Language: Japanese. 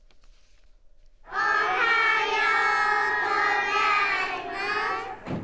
おはようございます。